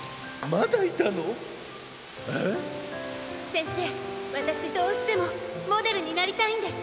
せんせいわたしどうしてもモデルになりたいんです。